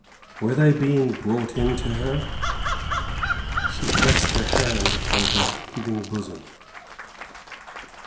Were they being brought in to her? She pressed her hand upon her heaving bosom.